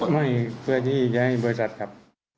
ไม่เพื่อที่จะให้บริษัทครับ